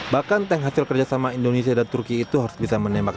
bahkan tank hasil kerjasama indonesia dan turki itu harus bisa menembak